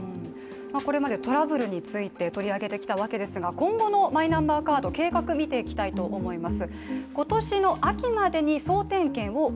これまでトラブルについて取り上げてきたわけですが今後のマイナンバーカード、計画を見ていきたいと思います。